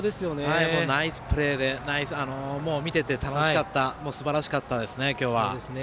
ナイスプレーで見てて楽しかったすばらしかったですね、今日は。